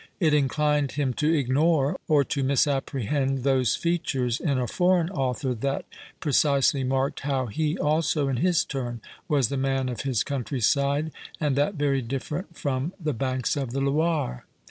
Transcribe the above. It inclined him to ignore or to misappre hend those features in a foreign author that pre cisely marked how he also, in his turn, was the man of his countryside, and that very different from tiie banks of the Loire.